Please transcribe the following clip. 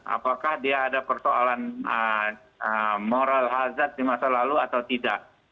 apakah dia ada persoalan moral hazard di masa lalu atau tidak